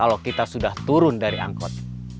kalau kita sudah turun dari angkot